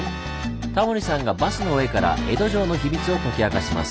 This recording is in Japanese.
タモリさんがバスの上から江戸城の秘密を解き明かします。